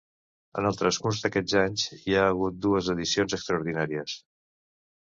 En el transcurs d'aquests anys hi ha hagut dues edicions extraordinàries.